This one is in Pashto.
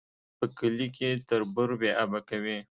په کلي کي تربور بې آبه کوي